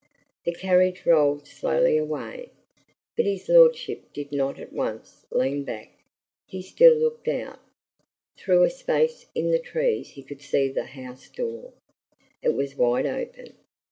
The carriage rolled slowly away, but his lordship did not at once lean back; he still looked out. Through a space in the trees he could see the house door; it was wide open.